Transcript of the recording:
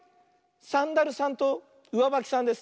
サンダルさんとうわばきさんです。